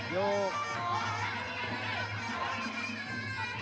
โยก